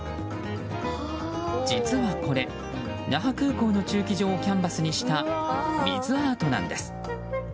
実はこれ、那覇空港の駐機場をキャンバスにした水アートなんです。